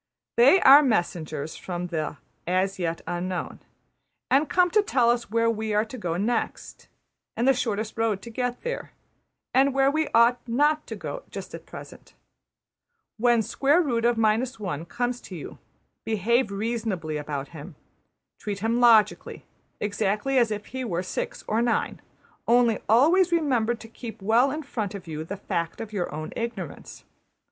They are messengers from the As Yet Unknown; and come to tell us where we are to go next; and the shortest road to get there; and where we ought not to go just at present. When square root of minus one comes to you, behave reasonably about him. Treat him logically, exactly as if he were six or nine; only always remember to keep well in front of you \emph{the fact of your own ignorance}.